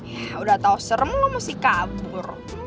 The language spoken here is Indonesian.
ya udah tau serem lu mesti kabur